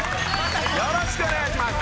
よろしくお願いします。